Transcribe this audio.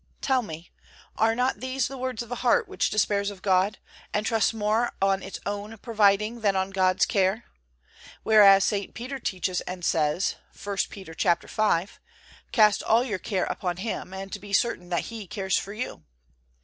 Tell me, are not these the words of a heart which despairs of God, and trusts more on its own providing than on God's care? Whereas St. Peter teaches and says, I. Peter v, "Cast all your care upon Him, and be certain that He cares for you."